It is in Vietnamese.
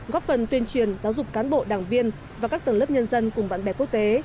góp phần tuyên truyền giáo dục cán bộ đảng viên và các tầng lớp nhân dân cùng bạn bè quốc tế